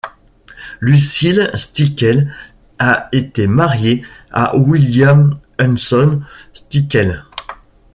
Lucille Stickel a été mariée à William Henson Stickel.